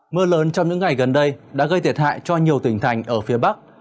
mưa lớn trong những ngày gần đây đã gây thiệt hại cho nhiều tỉnh thành ở phía bắc